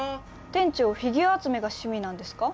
店長フィギュア集めが趣味なんですか？